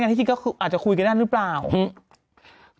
มันก็คืออาจจะคุยกันด้านหรือกันหรือเปล่า